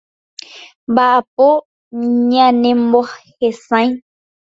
Mba'apo ñanemohesãi.